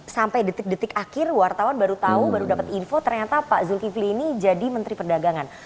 sampai detik detik akhir wartawan baru tahu baru dapat info ternyata pak zulkifli ini jadi menteri perdagangan